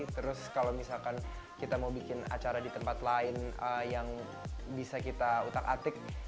terus kalau misalkan kita mau bikin acara di tempat lain yang bisa kita utak atik